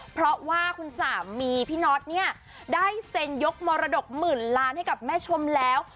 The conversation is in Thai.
เพราะว่าคุณสามีพี่น็อตเนี่ยได้เซ็นยกมรดกหมื่นล้านให้กับแม่ชมแล้ว